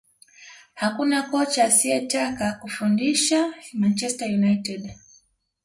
hakuna kocha asiyetaka kufundisha manchester united